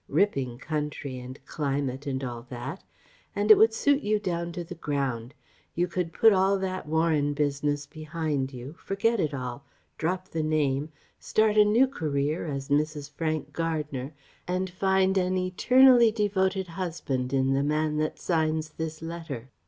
Ripping country and climate and all that. It would suit you down to the ground. You could put all that Warren business behind you, forget it all, drop the name, start a new career as Mrs. Frank Gardner, and find an eternally devoted husband in the man that signs this letter.